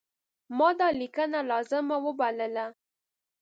ما دا لیکنه لازمه وبلله.